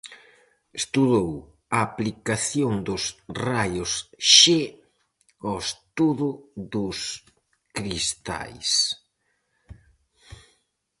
Estudou a aplicación dos raios Xe ao estudo dos cristais.